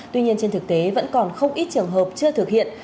tuy nhiên trên thực tế vẫn còn không ít trường hợp chưa thực hiện